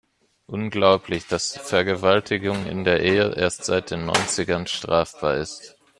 Unglaublich, dass Vergewaltigung in der Ehe erst seit den Neunzigern strafbar ist.